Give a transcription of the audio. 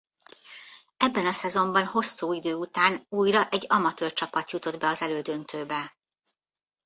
Ebben a szezonban hosszú idő után újra egy amatőr csapat jutott be az elődöntőbe.